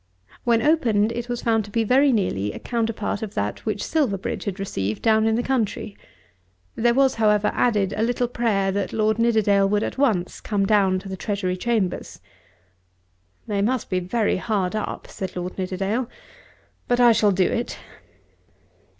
When opened it was found to be very nearly a counterpart of that which Silverbridge had received down in the country. There was, however, added a little prayer that Lord Nidderdale would at once come down to the Treasury Chambers. "They must be very hard up," said Lord Nidderdale. "But I shall do it.